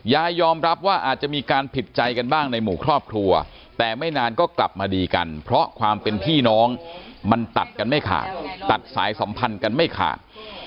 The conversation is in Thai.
ยอมรับว่าอาจจะมีการผิดใจกันบ้างในหมู่ครอบครัวแต่ไม่นานก็กลับมาดีกันเพราะความเป็นพี่น้องมันตัดกันไม่ขาดตัดสายสัมพันธ์กันไม่ขาด